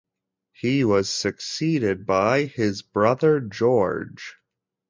He was succeeded by his brother George.